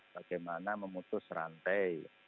bagaimana memutus rantai